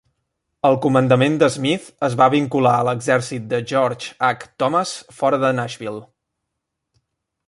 El comandament de Smith es va vincular a l'exèrcit de George H. Thomas fora de Nashville.